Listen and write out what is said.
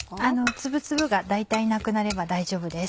粒々が大体なくなれば大丈夫です。